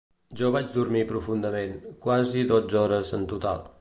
Jo vaig dormir profundament, quasi dotze hores en total.